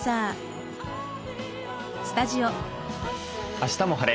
「あしたも晴れ！